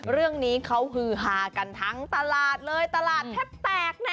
เรื่องนี้เขาฮือฮากันทั้งตลาดเลยตลาดแทบแตกนะ